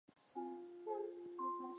而且超满载